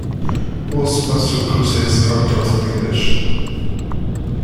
Most master courses are taught in English.